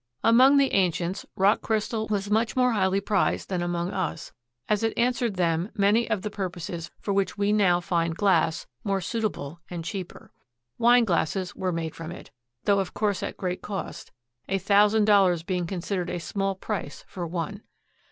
Among the ancients rock crystal was much more highly prized than among us, as it answered them many of the purposes for which we now find glass more suitable and cheaper. Wine glasses were made from it, though of course at great cost, a thousand dollars being considered a small price for one.